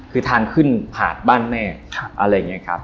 คือทางขึ้นผ่านบ้านแม่อะไรอย่างนี้ครับ